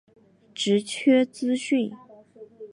职缺资讯